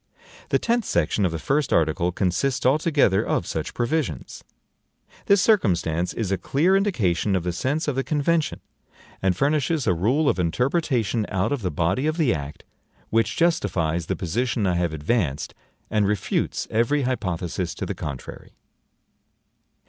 The tenth section of the first article consists altogether of such provisions. This circumstance is a clear indication of the sense of the convention, and furnishes a rule of interpretation out of the body of the act, which justifies the position I have advanced and refutes every hypothesis to the contrary.